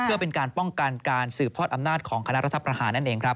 เพื่อเป็นการป้องกันการสืบพลอดอำนาจของคณะรัฐประห่าน